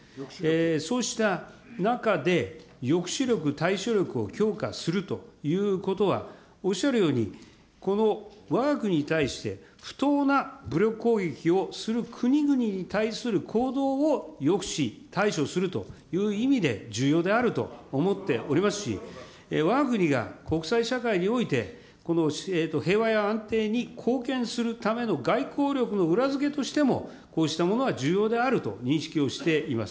そうした中で、抑止力、対処力を強化するということは、おっしゃるように、このわが国に対して、不当な武力攻撃をする国々に対する行動を抑止、対処するという意味で重要であると思っておりますし、わが国が国際社会において、平和や安定に貢献するための外交力の裏付けとしても、こうしたものは重要であると認識をしております。